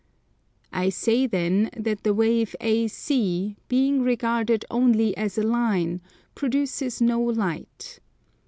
I say then that the wave AC, being regarded only as a line, produces no light.